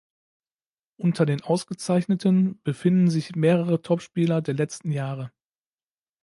Unter den ausgezeichneten befinden sich mehrere Topspieler der letzten Jahre.